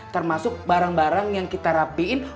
termasuk barang barang yang kita rapiin